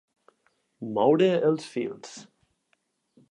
Moure els fils.